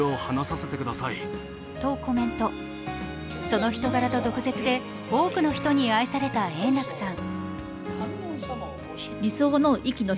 その人柄と毒舌で多くの人に愛された円楽さん。